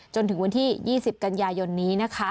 จนถึงวันที่๒๐กันยายนนี้นะคะ